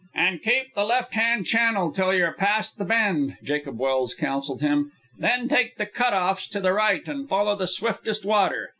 "And keep the left hand channel till you're past the bend," Jacob Welse counselled him; "then take the cut offs to the right and follow the swiftest water.